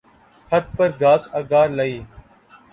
ھت پر گھاس اگا لی